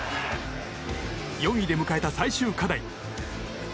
４位で迎えた最終課題。